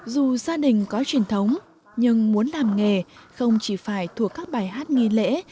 dù gia đình có truyền thống nhưng muốn làm nghề không chỉ phải thuộc các bài hát nghi lễ